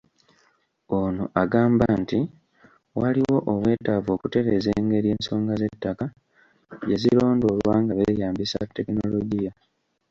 Ono agamba nti waliwo obwetaavu okutereeza engeri ensonga z'ettaka gye zirondoolwa nga beeyambisa tekinologiya.